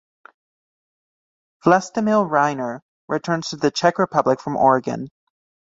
Vlastimil Reiner returns to the Czech Republic from Oregon.